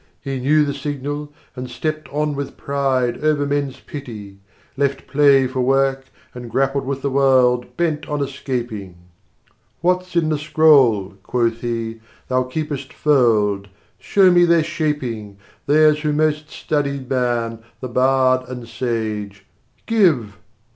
He knew the signal, and stepped on with pride Over men's pity; Left play for work, and grappled with the world Bent on escaping: "What's in the scroll," quoth he, "thou keepest furled? Show me their shaping Theirs who most studied man, the bard and sage, Give!"